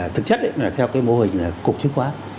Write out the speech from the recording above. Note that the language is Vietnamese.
thực chất là theo cái mô hình là cục chứng khoán